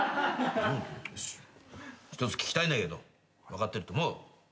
１つ聞きたいんだけど分かってると思う。